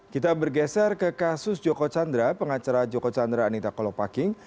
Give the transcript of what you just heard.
kita bergeser ke kasus joko chandra pengacara joko chandra anita kolopaking